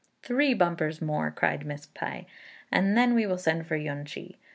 "Three bumpers more," cried Miss Pai, "and then we will send for Yün ch'i."